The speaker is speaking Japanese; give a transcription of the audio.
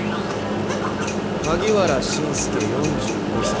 萩原慎介４５歳。